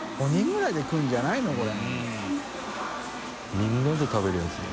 みんなで食べるやつだよ。